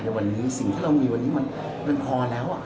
ในวันนี้สิ่งที่เรามีวันนี้มันพอแล้ว